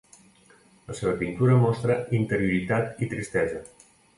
La seva pintura mostra interioritat i tristesa.